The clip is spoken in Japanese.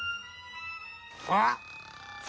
あっ？